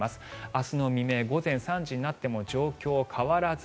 明日の未明、午前３時になっても状況変わらず。